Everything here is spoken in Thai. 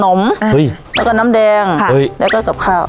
ขนมเฮ้ยแล้วก็น้ำแดงค่ะเฮ้ยแล้วก็กับข้าว